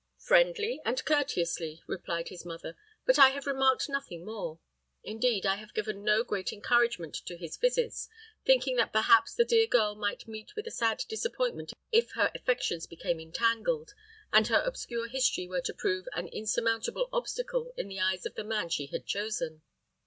"Friendly and courteously," replied his mother; "but I have remarked nothing more. Indeed, I have given no great encouragement to his visits, thinking that perhaps the dear girl might meet with a sad disappointment if her affections became entangled, and her obscure history were to prove an insurmountable obstacle in the eyes of the man she had chosen."